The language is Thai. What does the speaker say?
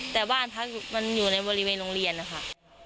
แต่บ้านพักมันอยู่ในบริเวณโรงเรียนนะคะ